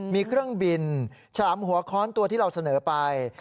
มีเครื่องบินฉลามหัวค้อนตัวที่เราเสนอไป